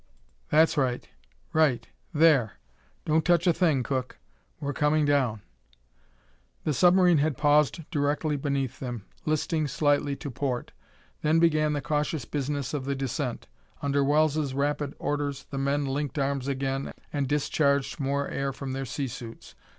That's right right there! Don't touch a thing, Cook! We're coming down." The submarine had paused directly beneath them, listing slightly to port. Then began the cautious business of the descent. Under Wells' rapid orders the men linked arms again and discharged more air from their sea suits.